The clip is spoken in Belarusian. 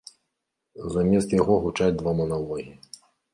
Замест яго гучаць два маналогі.